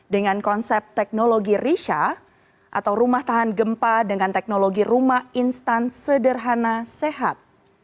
dengan konsep teknologi risa atau rumah tahan gempa dengan teknologi rumah instan sederhana sehat